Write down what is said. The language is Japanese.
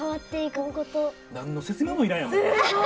何の説明もいらんやんもう。